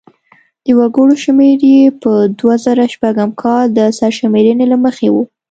د وګړو شمېر یې په دوه زره شپږم کال د سرشمېرنې له مخې و.